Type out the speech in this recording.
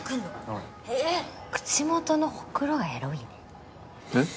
はいへぇ口元のほくろがエロいねえっ？